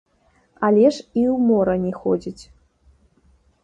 Але ж і ў мора не ходзіць.